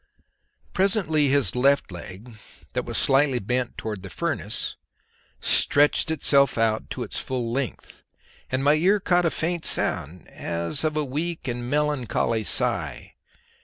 Presently his left leg, that was slightly bent towards the furnace, stretched itself out to its full length, and my ear caught a faint sound, as of a weak and melancholy sigh.